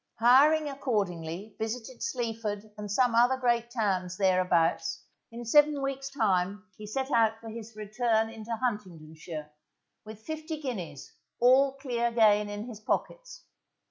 Hiring accordingly visited Sleaford, and some other great towns thereabouts, in seven weeks' time he set out for his return into Huntingdonshire, with fifty guineas, all clear gain, in his pockets.